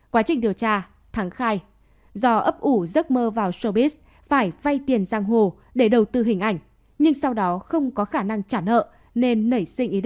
quá trình điều tra thắng khai do ấp ủ giấc mơ vào shobis phải vay tiền giang hồ để đầu tư hình ảnh nhưng sau đó không có khả năng trả nợ nên nảy sinh ý định